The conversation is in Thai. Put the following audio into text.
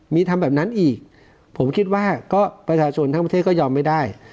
มีทำแบบนั้นอีกผมคิดว่าก็ประชาชนทั้งประเทศก็ยอมไม่ได้